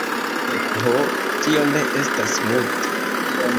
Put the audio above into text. Ho, tio ne estas multe.